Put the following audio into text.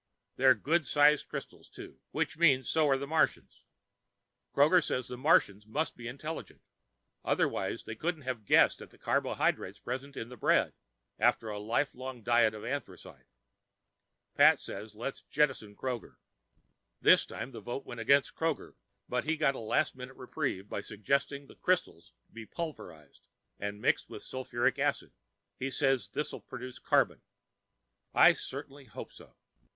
They're good sized crystals, too. Which means so are the Martians. Kroger says the Martians must be intelligent, otherwise they couldn't have guessed at the carbohydrates present in the bread after a lifelong diet of anthracite. Pat says let's jettison Kroger. This time the vote went against Kroger, but he got a last minute reprieve by suggesting the crystals be pulverized and mixed with sulphuric acid. He says this'll produce carbon. I certainly hope so.